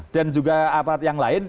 dan juga aparat yang lain